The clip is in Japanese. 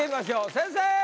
先生！